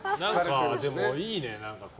でも、いいね。